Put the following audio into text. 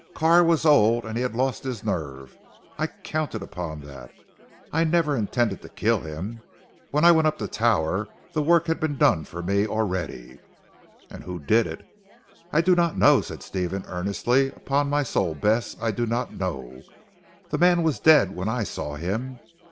"Carr was old, and had lost his nerve. I counted upon that. I never intended to kill him. When I went up the tower the work had been done for me already." "And who did it?" "I do not know," said Stephen earnestly, "upon my soul Bess I do not know the man was dead when I saw him.